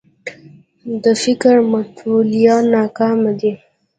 د فکر متولیان ناکام دي